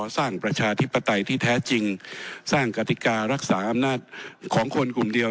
ประชาธิปไตยที่แท้จริงสร้างกติการักษาอำนาจของคนกลุ่มเดียว